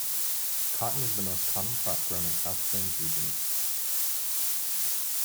Cotton is the most common crop grown in South Plains region.